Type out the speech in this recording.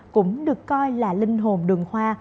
cũng được coi là linh hồn đường hoa